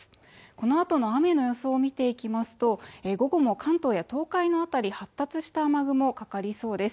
このあとの雨の予想を見ていきますと、午後も関東や東海の辺り、発達した雨雲がかかりそうです。